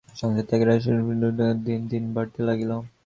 সংসারত্যাগী রাজর্ষির পিতৃসুলভ যত্নে হরিণশিশুটি দিন দিন বাড়িতে লাগিল।